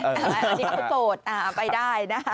อันนี้เขาโปรดไปได้นะครับ